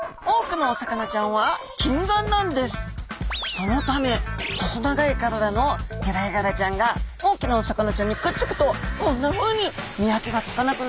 そのため細長い体のヘラヤガラちゃんが大きなお魚ちゃんにくっつくとこんなふうに見分けがつかなくなるように考えられているんです。